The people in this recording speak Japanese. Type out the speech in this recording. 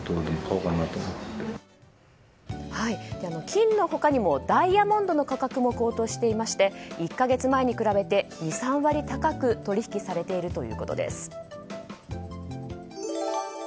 金の他にもダイヤモンドの価格も高騰していまして１か月前に比べて２３割高く取引されているということです。